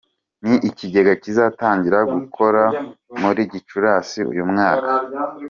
Ni ikigega kizatangira gukora muri Gicurasi uyu mwaka.